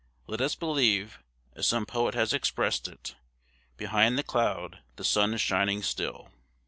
Let us believe, as some poet has expressed it, 'Behind the cloud the sun is shining still.'"